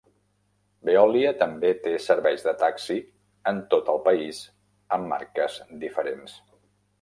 Veolia també té serveis de taxi en tot el país amb marques diferents.